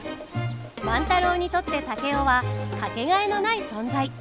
万太郎にとって竹雄は掛けがえのない存在。